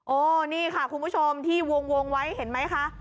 โอ้นี่ค่ะคุณผู้ชมที่วงไว้เห็นไหมคะ